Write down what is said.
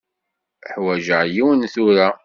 Ḥwaǧeɣ yiwen tura.